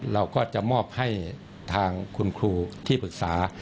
เราก็จะมอบให้ทางคุณครูที่ปรึกษา